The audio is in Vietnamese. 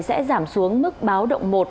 sẽ giảm xuống mức báo động một